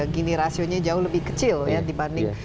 gini rasionya jauh lebih kecil ya dibanding